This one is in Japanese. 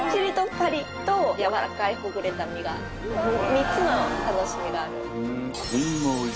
３つの楽しみがある。